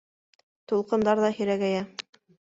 Тулҡындар ҙа һирәгәйә.